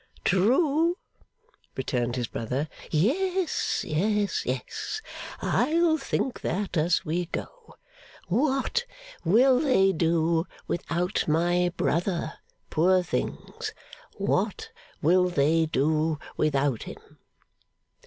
'True,' returned his brother. 'Yes, yes, yes, yes. I'll think that as we go, What will they do without my brother! Poor things! What will they do without him!